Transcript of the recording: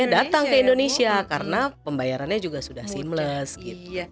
datang ke indonesia karena pembayarannya juga sudah seamless gitu